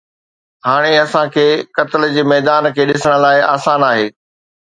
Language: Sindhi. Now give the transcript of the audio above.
هاڻي اسان کي قتل جي ميدان کي ڏسڻ لاء آسان آهي